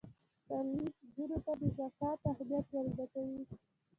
تعلیم نجونو ته د زکات اهمیت ور زده کوي.